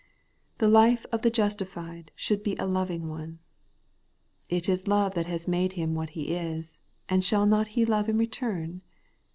The life of the justified should be a loving one. It is love that has made him what he is, and shall he not love in return